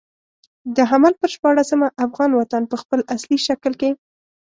د حمل پر شپاړلسمه افغان وطن په خپل اصلي شکل کې.